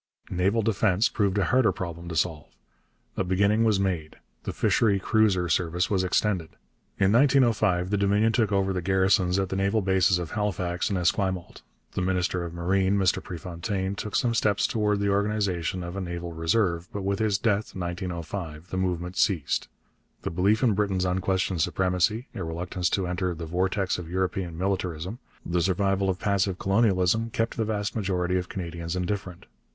Naval defence proved a harder problem to solve. A beginning was made. The fishery cruiser service was extended. In 1905 the Dominion took over the garrisons at the naval bases of Halifax and Esquimalt. The minister of Marine, Mr Prefontaine, took some steps towards the organization of a Naval Reserve, but with his death (1905) the movement ceased. The belief in Britain's unquestioned supremacy, a reluctance to enter 'the vortex of European militarism,' the survival of passive colonialism, kept the vast majority of Canadians indifferent.